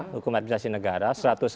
hukum administrasi negara